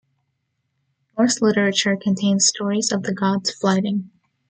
Norse literature contains stories of the gods flyting.